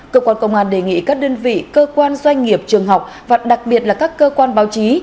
cơ quan công an đề nghị các đơn vị cơ quan doanh nghiệp trường học và đặc biệt là các cơ quan báo chí